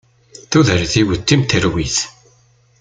Tudert-iw d timterwit.